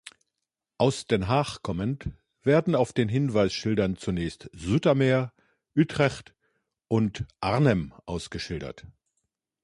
Aus Den Haag kommend werden auf den Hinweisschildern zunächst Zoetermeer, Utrecht und Arnhem ausgeschildert.